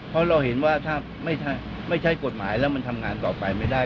เพราะเราเห็นว่าถ้าไม่ใช้กฎหมายแล้วมันทำงานต่อไปไม่ได้